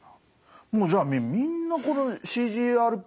もうじゃあみんなこのＣＧＲＰ